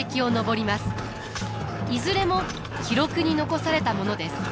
いずれも記録に残されたものです。